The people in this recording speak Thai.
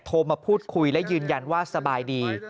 โทรมาพูดคุยและยืนยันว่าสบายดี